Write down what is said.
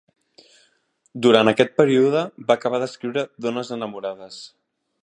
Durant aquest període va acabar d'escriure "Dones enamorades".